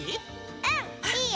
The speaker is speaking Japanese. うんいいよ。